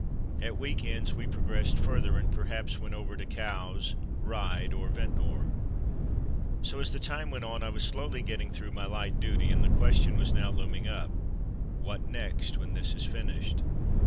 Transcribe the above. At week ends we progressed further and perhaps went over to Cowes, Ryde, or Ventnor. So the time went on. I was slowly getting through my light duty, and the question was now loom ing up, ''What next, when this is finished.